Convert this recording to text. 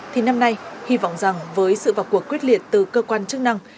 thì năm nay hy vọng rằng với sự vào cuộc quyết liệt từ cơ quan chức năng